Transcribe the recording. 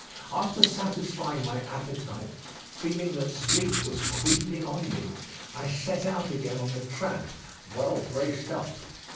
After satisfying my appetite, feeling that sleep was creeping on me, I set out again on the tramp, well braced up.